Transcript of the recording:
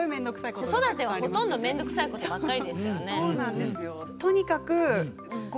子育てはほとんどめんどくさいことばっかりですよね。